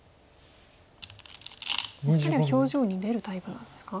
お二人は表情に出るタイプなんですか？